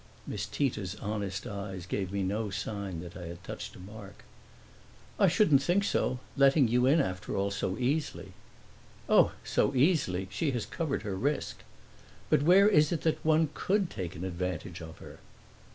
Miss Tita's honest eyes gave me no sign that I had touched a mark. "I shouldn't think so letting you in after all so easily." "Oh, so easily! she has covered her risk. But where is it that one could take an advantage of her?"